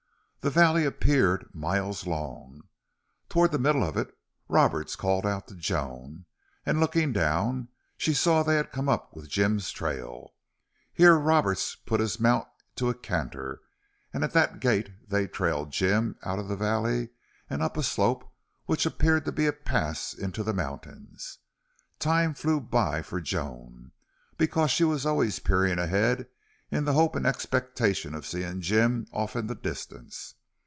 The valley appeared miles long. Toward the middle of it Roberts called out to Joan, and, looking down, she saw they had come up with Jim's trail. Here Roberts put his mount to a canter, and at that gait they trailed Jim out of the valley and up a slope which appeared to be a pass into the mountains. Time flew by for Joan, because she was always peering ahead in the hope and expectation of seeing Jim off in the distance.